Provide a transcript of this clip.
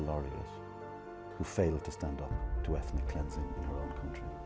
yang gagal berdiri untuk menyembuhkan etnis di negara kita sendiri